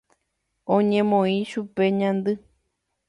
Oñemoĩ chupe ñandy.